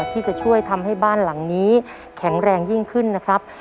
ที่จะช่วยทำให้บ้านหลังนี้แข็งแรงยิ่งขึ้นนะครับ